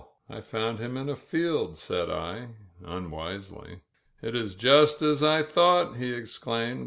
*' "I found him in a field,'' said I unwisely. "It is just as I thought," he exclaimed.